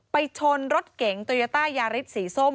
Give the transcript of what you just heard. ไปชนรถเก่งโตยาต้ายาฤทธิ์สีส้ม